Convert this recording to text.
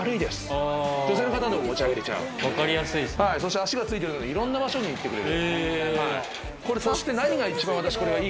脚がついているので、いろんな場所に行ってくれる。